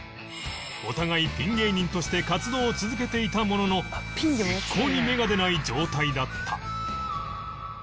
お互いピン芸人として活動を続けていたものの一向に芽が出ない状態だった